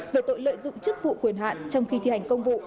về tội lợi dụng chức vụ quyền hạn trong khi thi hành công vụ